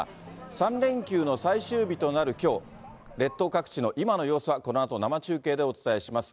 ３連休の最終日となるきょう、列島各地の今の様子は、このあと生中継でお伝えします。